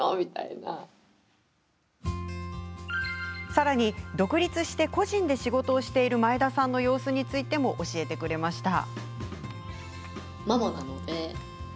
さらに、独立して個人で仕事をしている前田さんの様子についても教えてくれました。